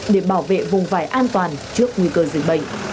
để bảo vệ vùng vải an toàn trước nguy cơ dịch bệnh